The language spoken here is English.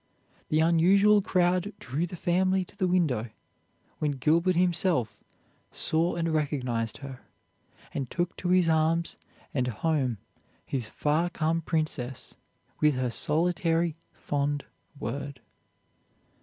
The unusual crowd drew the family to the window, when Gilbert himself saw and recognized her, and took to his arms and home his far come princess with her solitary fond word.